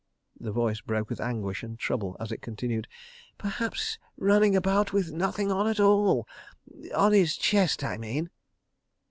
The voice broke with anguish and trouble as it continued: "Perhaps running about with nothing on at all. ... On his chest, I mean.